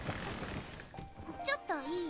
ちょっといい？